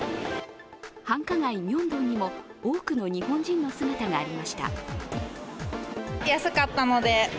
繁華街・ミョンドンにも多くの日本人の姿がありました。